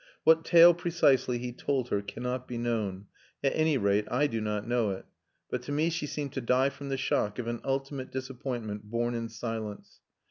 What tale, precisely, he told her cannot be known at any rate, I do not know it but to me she seemed to die from the shock of an ultimate disappointment borne in silence.